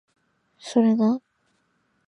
それな